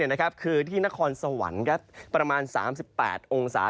นะครับคือที่นครสวรรค์ครับประมาณสามสิบแปดองศา